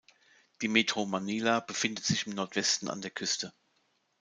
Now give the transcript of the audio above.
Die Metro Manila befindet sich im Nordwesten an der Küste.